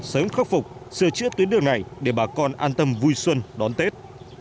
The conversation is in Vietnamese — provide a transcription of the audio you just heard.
sớm khắc phục sửa chữa tuyến đường này để bà con an tâm vui xuân đón tết